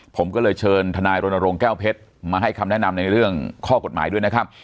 ผมก็เลยเชิญทนายรณรงค์แก้วเพชรมาให้คำแนะนำในเรื่องข้อกฎหมายด้วยนะครับ